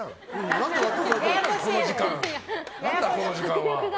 何だ、この時間。